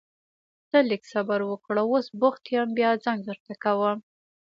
ته لږ صبر وکړه، اوس بوخت يم بيا زنګ درته کوم.